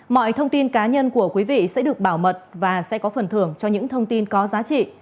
mọi thông tin cá nhân của quý vị sẽ được bảo mật và sẽ có phần thưởng cho những thông tin có giá trị